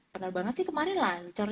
penerbangan sih kemarin lancar